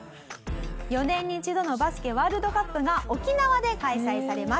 ４年に一度のバスケワールドカップが沖縄で開催されます。